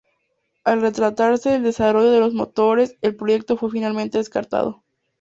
Al retrasarse el desarrollo de los motores, el proyecto fue finalmente descartado.